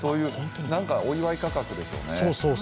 お祝い価格でしょうね。